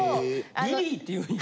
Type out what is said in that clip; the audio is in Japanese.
リリーっていうんや。